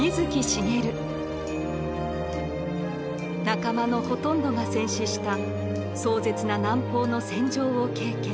仲間のほとんどが戦死した壮絶な南方の戦場を経験。